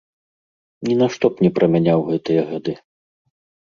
Ні на што б не прамяняў гэтыя гады.